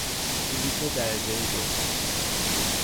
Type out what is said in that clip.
بلیط درجهی دو